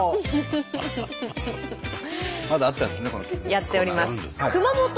やっております。